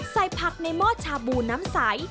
ใส่ผักในหม้อชาบูน้ำใส